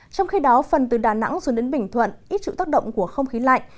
trong khi đó phần từ đà nẵng xuống đến bình thuận ít chịu tác động của không khí lạnh